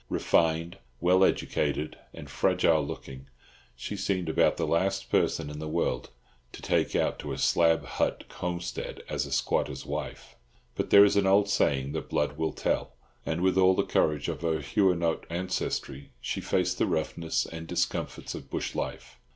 Refined, well educated, and fragile looking, she seemed about the last person in the world to take out to a slab hut homestead as a squatter's wife. But there is an old saying that blood will tell; and with all the courage of her Huguenot ancestry she faced the roughness and discomforts of bush life.